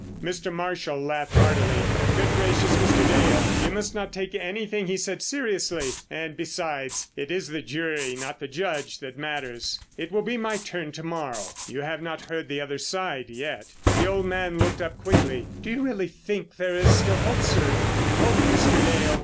Mr. Marshall laughed heartily. "Good gracious, Mr. Dale, you must not take anything he said seriously; and, besides, it is the jury, not the Judge, that matters. It will be my turn to morrow. You have not heard the other side yet." The old man looked up quickly. "Do you really think there is still hope, sir?" "Hope, Mr. Dale!